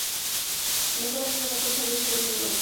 Su mejor amigo Nathan sabía sobre el reloj.